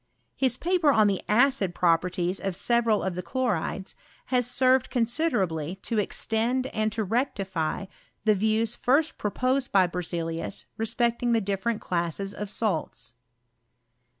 His paper on the acid pro perties of several of the chlorides, has served con siderably to extend and to rectify the views first proposed by Berzeliusrespecting the different classes of salts.